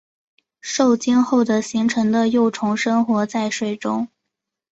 受精后的形成的幼虫生活在水中。